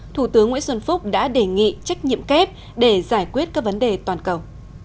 thủ tướng nguyễn xuân phúc đã đề nghị trách nhiệm kép để giải quyết các vấn đề toàn cầu